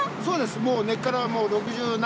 もう根っから６０何年。